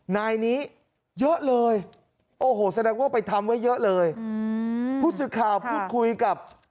นายนี้เยอะเลยโอ้โหแสดงว่าไปทำไว้เยอะเลยอืมผู้สื่อข่าวพูดคุยกับ